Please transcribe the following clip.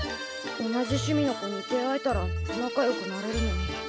同じ趣味の子に出会えたら仲良くなれるのに。